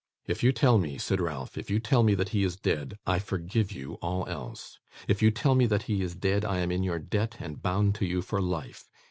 'If you tell me,' said Ralph; 'if you tell me that he is dead, I forgive you all else. If you tell me that he is dead, I am in your debt and bound to you for life.